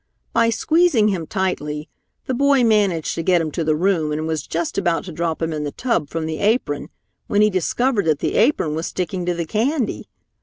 By squeezing him tightly, the boy managed to get him to the room and was just about to drop him in the tub from the apron when he discovered that the apron was sticking to the candy.